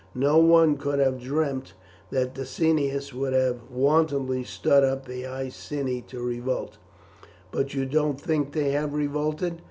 No one could have dreamt that Decianus would have wantonly stirred up the Iceni to revolt." "But you don't think they have revolted?"